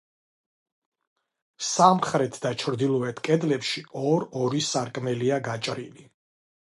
სამხრეთ და ჩრდილოეთ კედლებში ორ-ორი სარკმელია გაჭრილი.